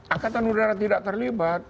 angkatan udara tidak terlibat